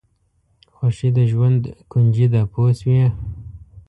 خوښي د ژوند کونجي ده پوه شوې!.